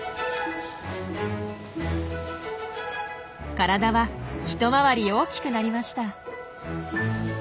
体は一回り大きくなりました。